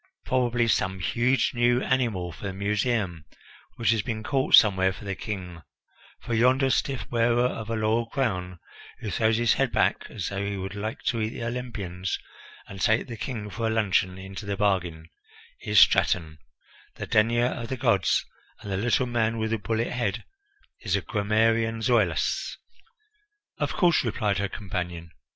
Probably some huge new animal for the Museum which has been caught somewhere for the King, for yonder stiff wearer of a laurel crown, who throws his head back as though he would like to eat the Olympians and take the King for a luncheon into the bargain, is Straton, the denier of the gods, and the little man with the bullethead is the grammarian Zoilus." "Of course," replied her companion.